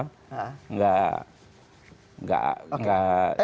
tidak tidak tidak